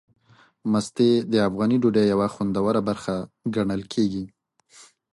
مستې د افغاني ډوډۍ یوه خوندوره برخه ګڼل کېږي.